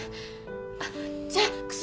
あっじゃあ薬。